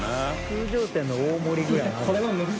通常店の大盛りぐらいはある。